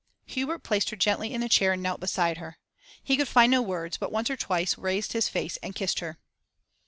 Hubert placed her gently in the chair and knelt beside her. He could find no words, but once or twice raised his face and kissed her.